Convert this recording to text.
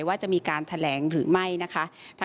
ว่าจะมีการแถลงหรือไม่นะคะ